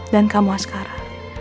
dan kamu asgara